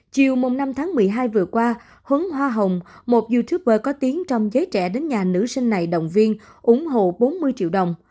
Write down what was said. chiều năm tháng một mươi hai vừa qua hướng hoa hồng một youtuber có tiếng trong giới trẻ đến nhà nữ sinh này động viên ủng hộ bốn mươi triệu đồng